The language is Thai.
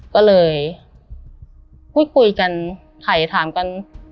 ก็เลยพูดคุยกันไข่ถามกัน